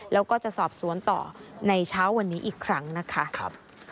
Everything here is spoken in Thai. แล้วก็จะสอบสวนต่อในเช้าวันนี้อีกครั้งนะคะ